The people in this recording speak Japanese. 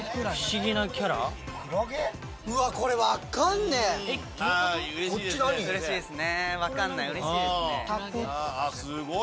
うれしいですね。